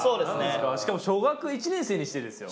しかも小学１年生にしてですよ。